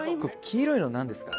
黄色いのなんですか？